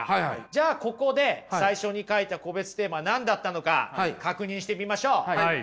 じゃあここで最初に書いた個別テーマ何だったのか確認してみましょう。